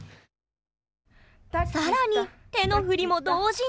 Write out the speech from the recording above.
更に手の振りも同時に！